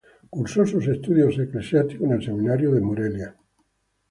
Cursó sus estudios eclesiásticos en el Seminario de Morelia.